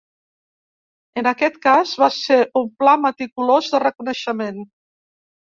En aquest cas va ser un pla meticulós de reconeixement.